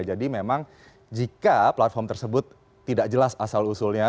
jadi memang jika platform tersebut tidak jelas asal usulnya